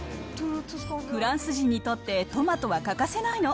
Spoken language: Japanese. フランス人にとってトマトは欠かせないの。